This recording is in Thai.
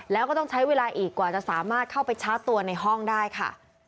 แล้วก็ต้องใช้เวลาอีกกว่าจะสามารถเข้าไปชาร์จตัวในห้องได้ค่ะ